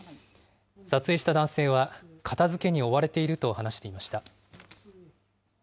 撮影した男性は、片づけに追われていると話していました。